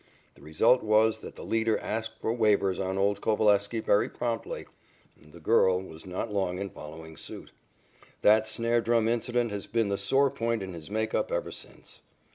"The result was that the leader asked for waivers on old Coveleski very promptly, and the girl was not long in following suit. That snare drum incident has been the sore point in his makeup ever since."